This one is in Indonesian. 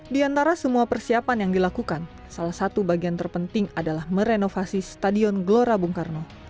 di antara semua persiapan yang dilakukan salah satu bagian terpenting adalah merenovasi stadion gelora bung karno